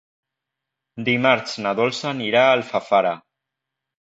Dimarts na Dolça anirà a Alfafara.